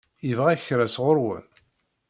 Yebɣa kra sɣur-wen?